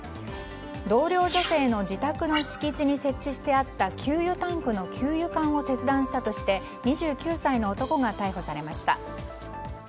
同僚女性の自宅の敷地に設置してあった給油タンクの給油管を切断したとして２９歳の男が逮捕されました。